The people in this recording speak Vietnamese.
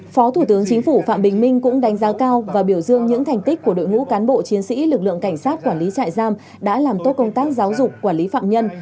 phó thủ tướng chính phủ phạm bình minh cũng đánh giá cao và biểu dương những thành tích của đội ngũ cán bộ chiến sĩ lực lượng cảnh sát quản lý trại giam đã làm tốt công tác giáo dục quản lý phạm nhân